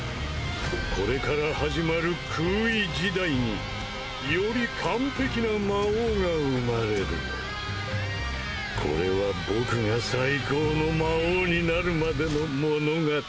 これから始まる空位時代により完璧な魔王が生まれるこれは僕が最高の魔王になるまでの物語だ。